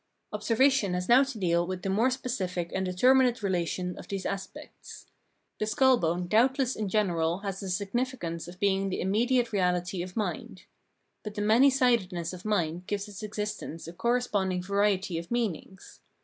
Observation has now to deal with the more specific and determinate relation of these aspects. The skull bone doubtless in general has the significance of being the immediate reahty of mind. But the many sidedness of mind gives its existence a corresponding variety of meanings.